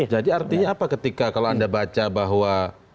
jadi artinya apa ketika kalau anda baca bahwa